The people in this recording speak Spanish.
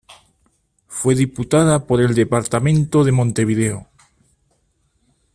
Fue diputada por el departamento de Montevideo.